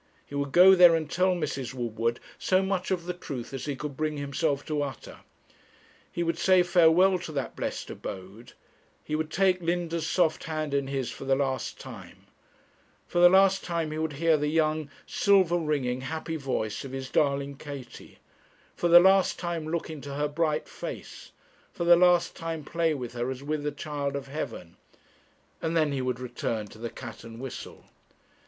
He would go there and tell Mrs. Woodward so much of the truth as he could bring himself to utter; he would say farewell to that blest abode; he would take Linda's soft hand in his for the last time; for the last time he would hear the young, silver ringing, happy voice of his darling Katie; for the last time look into her bright face; for the last time play with her as with a child of heaven and then he would return to the 'Cat and Whistle.'